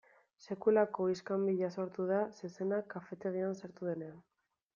Sekulako iskanbila sortu da zezena kafetegian sartu denean.